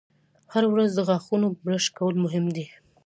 هره ورځ د غاښونو برش کول مهم دي.